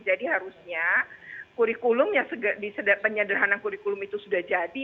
jadi harusnya kurikulumnya penyederhanan kurikulum itu sudah jadi